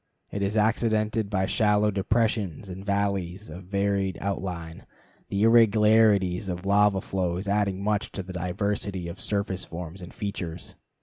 It is accidented by shallow depressions and valleys of varied outline, the irregularities of lava flows adding much to the diversity of surface forms and features.